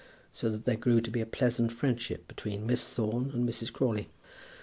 So that there grew to be a pleasant friendship between Miss Thorne and Mrs. Crawley.